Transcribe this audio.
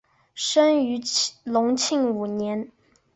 生于隆庆五年。